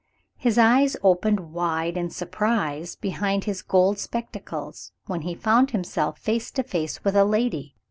His eyes opened wide in surprise, behind his gold spectacles, when he found himself face to face with a lady.